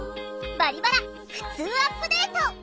「バリバラふつうアップデート」！